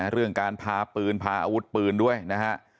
เรื่องการพาปืนพาอาวุธปืนด้วยนะฮะ